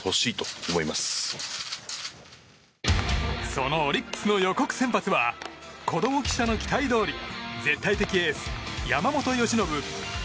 そのオリックスの予告先発は子供記者の期待どおり絶対的エース、山本由伸。